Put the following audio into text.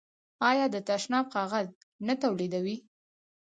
آیا د تشناب کاغذ نه تولیدوي؟